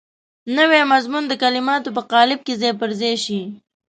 نوی مضمون د کلماتو په قالب کې ځای پر ځای شي.